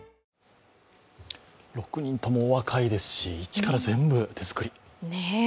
６人ともお若いですし、一から全部手作り。